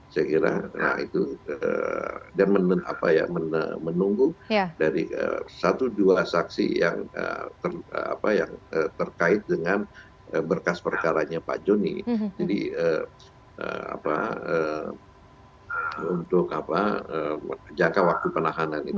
saya kira nah itu dan menunggu dari satu dua saksi yang terkait dengan berkas perkaranya pak joni untuk jangka waktu penahanan itu